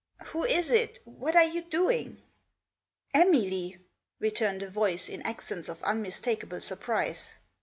" Who is it ? what are you doing ?"" Emily !" returned a voice, in accents of unmistak able surprise.